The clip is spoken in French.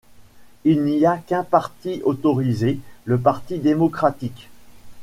Il n'y a qu'un parti autorisé, le Parti démocratique.